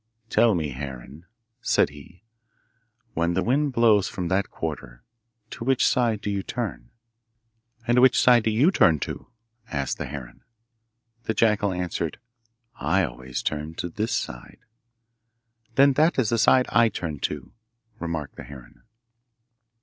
'Tell me, heron,' said he, 'when the wind blows from that quarter, to which side do you turn?' 'And which side do you turn to?' asked the heron. The jackal answered, 'I always turn to this side.' 'Then that is the side I turn to,' remarked the heron.